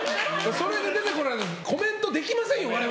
それで出てこられてコメントできませんよ